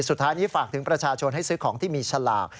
สุดท้ายนี้ฝากถึงประชาชนให้ซื้อของที่มีฉลาก